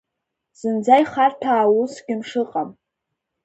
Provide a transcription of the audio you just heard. Зынӡа ихарҭәаау усгьы мшыҟам…